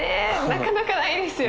なかなかないですよ。